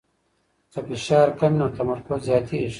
که فشار کم وي نو تمرکز زیاتېږي.